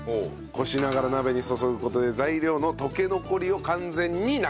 こしながら鍋に注ぐ事で材料の溶け残りを完全になくすと。